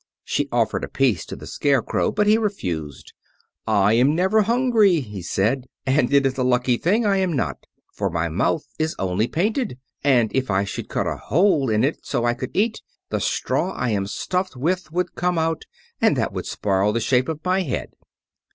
She offered a piece to the Scarecrow, but he refused. "I am never hungry," he said, "and it is a lucky thing I am not, for my mouth is only painted, and if I should cut a hole in it so I could eat, the straw I am stuffed with would come out, and that would spoil the shape of my head."